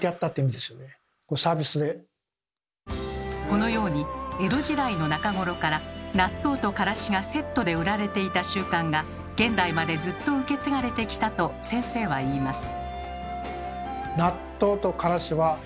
このように江戸時代の中頃から納豆とからしがセットで売られていた習慣が現代までずっと受け継がれてきたと先生は言います。